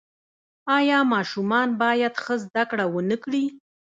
آیا ماشومان باید ښه زده کړه ونکړي؟